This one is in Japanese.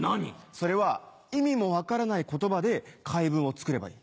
それは意味も分からない言葉で回文を作ればいい。